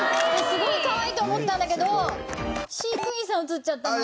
すごいかわいいと思ったんだけど飼育員さん写っちゃったの。